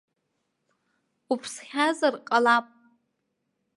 Уԥсхьазар ҟалап.